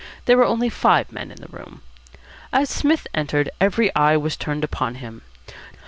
There were only five men in the room. As Psmith entered, every eye was turned upon him.